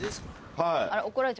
はい。